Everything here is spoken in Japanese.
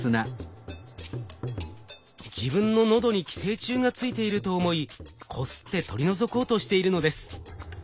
自分の喉に寄生虫がついていると思いこすって取り除こうとしているのです。